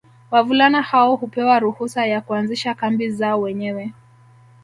Wavulana hao hupewa ruhusa ya kuanzisha kambi zao wenyewe